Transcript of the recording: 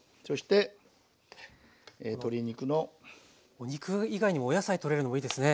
お肉以外にもお野菜とれるのもいいですね。